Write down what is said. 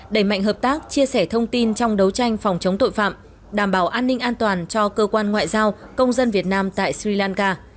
đẩy mạnh hợp tác chia sẻ thông tin trong đấu tranh phòng chống tội phạm đảm bảo an ninh an toàn cho cơ quan ngoại giao công dân việt nam tại sri lanka